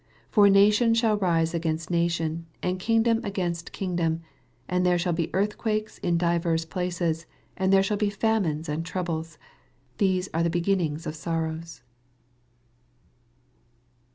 8 For nation shall rise against na tion, and kingdom against kingdom : and there shall be earthquakes in di vers places, and there shall be famines and troubles : these are the beginnings of sorrows.